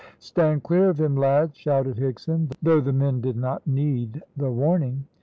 "Stand clear of him, lads," shouted Higson, though the men did not need the warning.